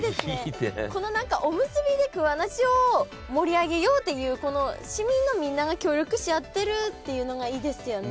この何かおむすびで桑名市を盛り上げようっていう市民のみんなが協力し合ってるっていうのがいいですよね。